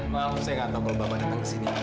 malam saya nggak tahu kalau bapak datang ke sini